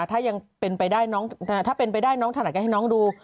ถ้ายังเป็นไปได้น้องถนัดก็ให้น้องดู